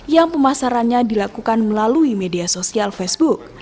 yang pemasarannya dilakukan melalui media sosial facebook